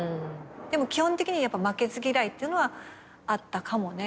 でも基本的に負けず嫌いってのはあったかもね。